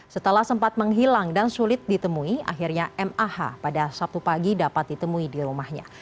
setelah sempat menghilang dan sulit ditemui akhirnya mah pada sabtu pagi dapat ditemui di rumahnya